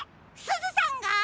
すずさんが？